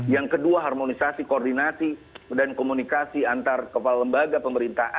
yang kedua harmonisasi koordinasi dan komunikasi antar kepala lembaga pemerintah